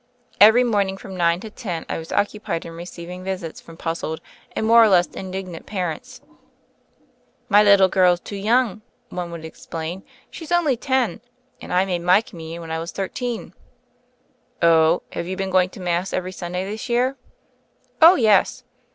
Every morning from nine to eleven I was occupied in receiv ing visits from puzzled and more or less indig nant parents. "My little girl is too young," one would ex plain: "she's only ten; and I made my Com munion when I was thirteen." "Oh — have you been going to Mass every Sunday this year?" "Oh, yes."